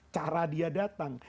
cara dia datang